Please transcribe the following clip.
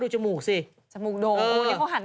ปล่อยให้เบลล่าว่าง